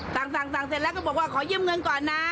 สั่งเสร็จแล้วก็บอกว่าขอยืมเงินก่อนนะ